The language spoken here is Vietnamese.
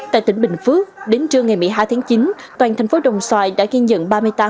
tại tỉnh bình phước đến trưa ngày một mươi hai tháng chín toàn thành phố đồng xoài đã ghi nhận ba mươi tám ca